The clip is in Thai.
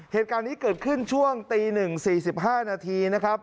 เหตุการณ์นี้เกิดขึ้นช่วงตี๑๔๕นาทีนะครับ